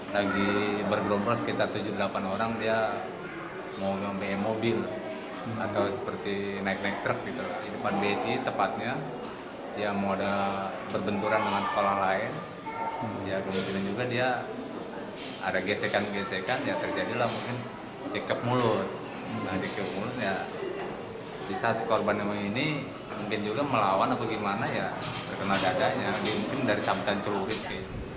di saat korban ini mungkin juga melawan atau bagaimana ya karena keadaannya mungkin dari sabutan celuh itu